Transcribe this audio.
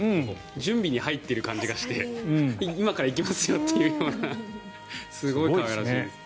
準備に入っている感じがして今から行きますよというようなすごい可愛らしいですね。